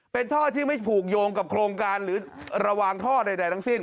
เป็นท่อที่ไม่ผูกโยงกับโครงการหรือระวางท่อใดทั้งสิ้น